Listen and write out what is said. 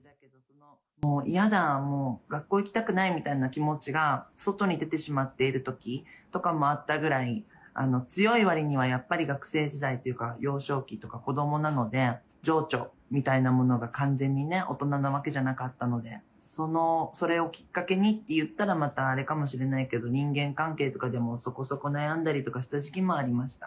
もう嫌だ、もう学校行きたくないみたいな気持ちが外に出てしまっているときとかもあったぐらい、強いわりにはやっぱり学生時代とか、幼少期とか子どもなので、情緒みたいなものが完全にね、大人なわけじゃなかったので、それをきっかけにっていったら、またあれかもしれないけど、人間関係とかでも、そこそこ悩んだりとかした時期もありました。